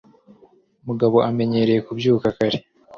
mugabo amenyereye kubyuka kare